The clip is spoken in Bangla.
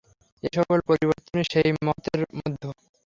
এই-সকল পরিবর্তনই সেই মহতের মধ্যে।